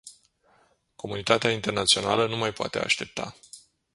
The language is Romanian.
Comunitatea internațională nu mai poate aștepta.